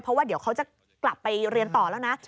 เพราะว่าเดี๋ยวเขาจะกลับไปเรียนต่อแล้วนะ